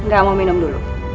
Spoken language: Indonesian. gak mau minum dulu